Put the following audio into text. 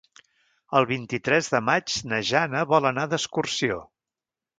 El vint-i-tres de maig na Jana vol anar d'excursió.